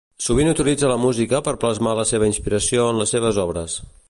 Sovint utilitza la música per plasmar la seva inspiració en les seves obres.